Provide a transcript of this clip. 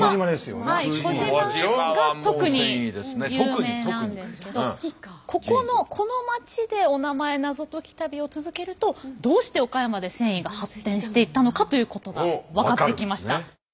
はい児島が特に有名なんですけどここのこの町でおなまえナゾ解き旅を続けるとどうして岡山で繊維が発展していったのかということが分かってきました。